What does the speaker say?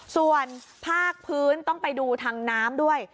ส่วนภาคพื้นต้องไปดูทางน้ำด้วย